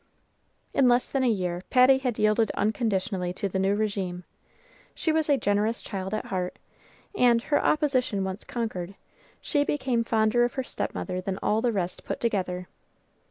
In less than a year Patty had yielded unconditionally to the new régime. She was a generous child at heart, and, her opposition once conquered, she became fonder of her stepmother than all the rest put together.